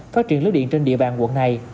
phát triển lưới điện trên địa bàn quận này